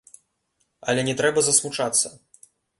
Але не трэба засмучацца!